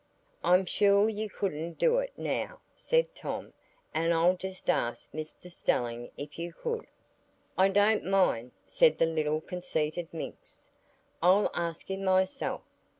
"I'm sure you couldn't do it, now," said Tom; "and I'll just ask Mr Stelling if you could." "I don't mind," said the little conceited minx, "I'll ask him myself."